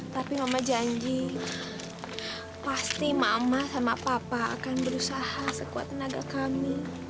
tapi mama janji pasti mama sama papa akan berusaha sekuat tenaga kami